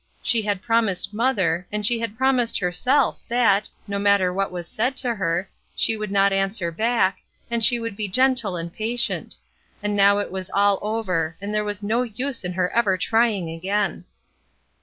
She had promised mother, and she had promised herself that, no matter what was said to her, she would not answer back, and she would be gentle and patient ; and now it was all over, and there was no use in her ever trying again.